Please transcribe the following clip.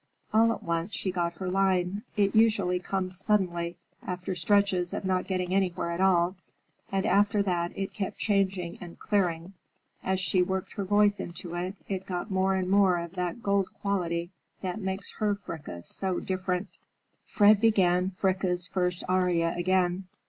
All at once, she got her line—it usually comes suddenly, after stretches of not getting anywhere at all—and after that it kept changing and clearing. As she worked her voice into it, it got more and more of that 'gold' quality that makes her Fricka so different." Fred began Fricka's first aria again.